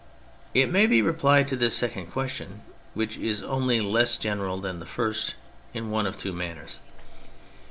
It may be replied to this second question, which is only less general than the first, in one of two manners.